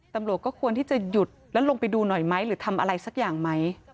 ตำรวจก็ควรที่จะหยุดแล้วลงไปดูหน่อยไหมหรือทำอะไรสักอย่างไหม